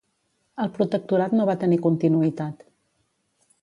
El protectorat no va tenir continuïtat.